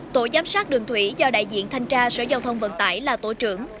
tổ giám sát đường thủy do đại diện thanh tra sở giao thông vận tải là tổ trưởng